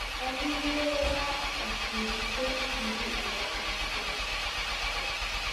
Every year lakhs of visitors visit the temple.